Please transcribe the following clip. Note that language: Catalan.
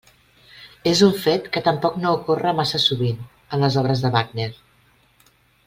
És un fet que tampoc no ocorre massa sovint en les obres de Wagner.